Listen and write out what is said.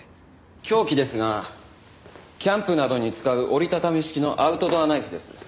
凶器ですがキャンプなどに使う折り畳み式のアウトドアナイフです。